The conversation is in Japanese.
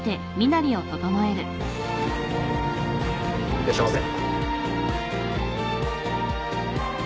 いらっしゃいませ。